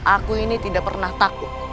aku tidak pernah takut